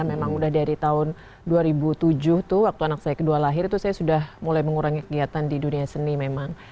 memang udah dari tahun dua ribu tujuh tuh waktu anak saya kedua lahir itu saya sudah mulai mengurangi kegiatan di dunia seni memang